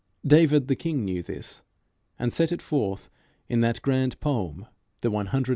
David the king knew this, and set it forth in that grand poem, the 107th Psalm.